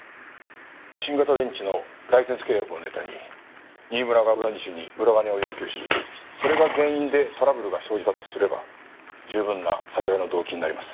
新型電池のライセンス契約をネタに新村が浦西に裏金を要求しそれが原因でトラブルが生じたとすれば十分な殺害の動機になります。